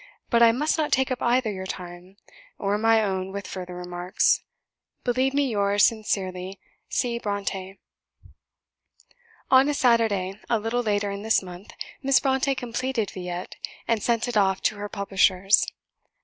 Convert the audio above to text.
But I must not take up either your time or my own with further remarks. Believe me yours sincerely, "C. BRONTË." On a Saturday, a little later in this month, Miss Brontë completed 'Villette,' and sent it off to her publishers.